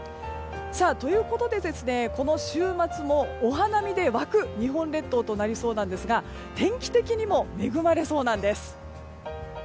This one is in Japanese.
この週末もお花見で沸く日本列島となりそうですが天気的にも恵まれそうなんです。